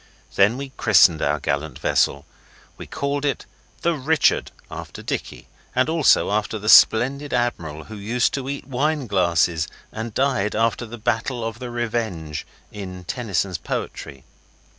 Then we christened our gallant vessel. We called it the Richard, after Dicky, and also after the splendid admiral who used to eat wine glasses and died after the Battle of the Revenge in Tennyson's poetry.